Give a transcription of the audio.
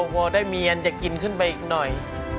เต้าโหัลฟ่อได้มีอันจะกินขึ้นไปอีกหน่อย